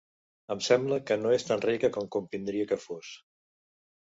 Em sembla que no és tan rica com convindria que fos.